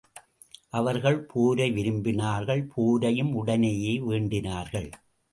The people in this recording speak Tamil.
அவர்கள் போரை விரும்பினார்கள் போரையும் உடனேயே வேண்டினார்கள்.